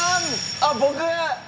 あっ僕！